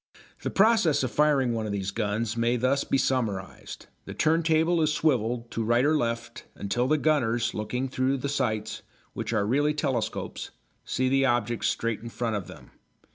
The process of firing one of these guns may thus be summarised. The turntable is swivelled to right or left until the gunners, looking through the sights, which are really telescopes, see the object straight in front of them.